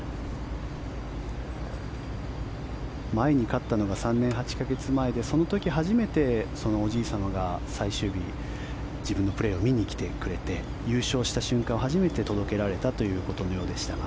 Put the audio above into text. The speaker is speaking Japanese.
前に勝ったのが３年８か月前でその時初めておじい様が最終日自分のプレーを見に来てくれて優勝した瞬間を初めて届けられたことのようですが。